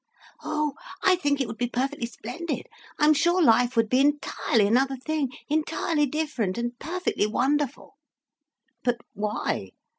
"Oh, I think it would be perfectly splendid. I'm sure life would be entirely another thing—entirely different, and perfectly wonderful." "But why?"